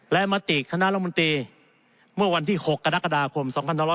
และมติคณะรัฐมนตรีเมื่อวันที่๖กรกฎาคม๒๕๖๐